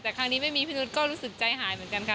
แต่ครั้งนี้ไม่มีพี่นุษย์ก็รู้สึกใจหายเหมือนกันค่ะ